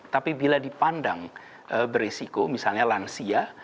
tapi bila dipandang berisiko misalnya lansia